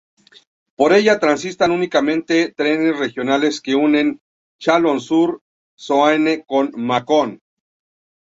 Por ella transitan únicamente trenes regionales que unen Chalon-sur-Saône con Mâcon.